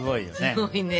すごいね。